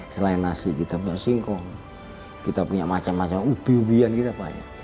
selain nasi kita punya singkong kita punya macam macam ubi ubian kita banyak